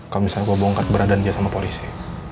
kalau misalnya gue bongkat beradaan dia sama polisi